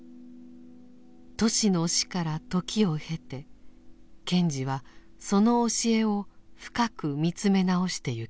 トシの死から時を経て賢治はその教えを深く見つめ直してゆきます。